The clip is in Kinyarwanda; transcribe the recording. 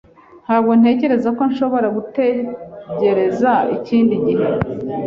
Ntabwo ntekereza ko nshobora gutegereza ikindi gihe.